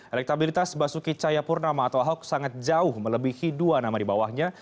elektabilitas basuki cayapurnama atau ahok sangat jauh melebihi dua nama di bawahnya